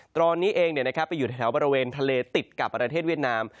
ตอนนี้เองไปอยู่แถวบริเวณทะเลติดกับประเทศเวียดนาม